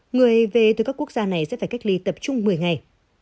người về từ các quốc gia này sẽ phải cách ly tập trung một mươi ngày